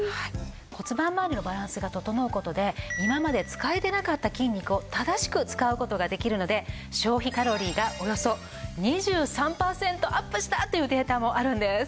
骨盤まわりのバランスが整う事で今まで使えてなかった筋肉を正しく使う事ができるので消費カロリーがおよそ２３パーセントアップしたというデータもあるんです。